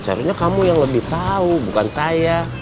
seharusnya kamu yang lebih tahu bukan saya